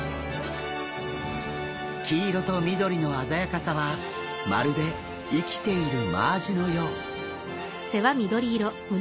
黄色と緑の鮮やかさはまるで生きているマアジのよう。